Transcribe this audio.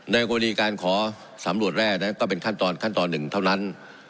กรณีการขอสำรวจแร่นั้นก็เป็นขั้นตอนขั้นตอนหนึ่งเท่านั้น